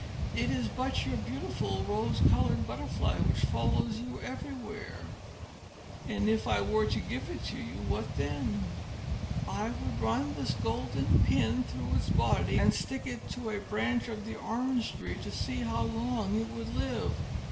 "It is but your beautiful rose coloured butterfly, which follows you everywhere." "And if I were to give it to you, what then?" "I would run this golden pin through its body, and stick it to a branch of the orange tree, to see how long it would live.